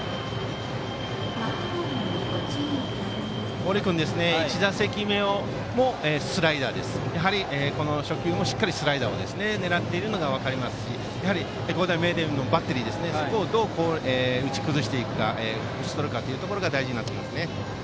森君、１打席目もスライダーでしたがやはり、初球もしっかりスライダーを狙っているのが分かりますしやはり愛工大名電のバッテリーはそこをどう打ち取るかが大事になりますね。